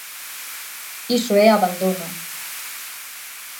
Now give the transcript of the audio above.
Iso é abandono.